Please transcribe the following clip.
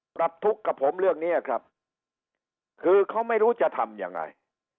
ปรับทุกข์กับผมเรื่องนี้ครับคือเขาไม่รู้จะทำยังไง